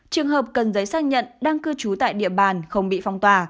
trường hợp cần giấy xác nhận đang cư trú tại địa bàn không bị phong tỏa